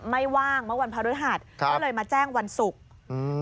ไม่ว่างเมื่อวันพระรุทธหัสครับแล้วเลยมาแจ้งวันศุกร์อืม